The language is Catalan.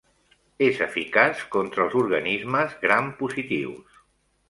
És eficaç contra els organismes Gram-positius.